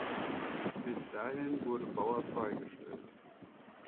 Bis dahin wurde Bauer freigestellt.